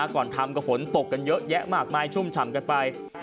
ก่อนทำก็ฝนตกกันเยอะแยะมากมายชุ่มฉ่ำกันไป